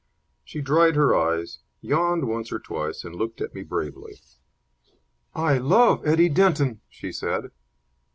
She dried her eyes, yawned once or twice, and looked at me bravely. "I love Eddie Denton!" she said.